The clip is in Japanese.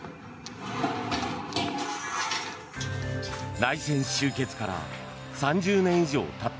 内戦終結から３０年以上たった